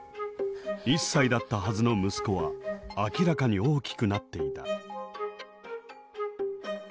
１歳だったはずの息子は明らかに大きくなっていた。